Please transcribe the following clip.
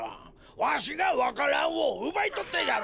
わしがわか蘭をうばいとってやる！